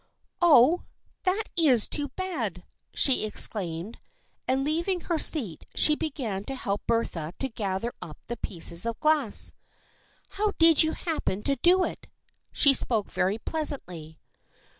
" Oh, that is too bad !" she exclaimed, and leaving her seat she began to help Bertha to gather up the pieces of glass. " How did you happen to do it ?" She spoke very pleasantly.